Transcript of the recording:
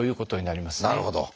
なるほど。